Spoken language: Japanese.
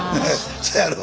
そやろ？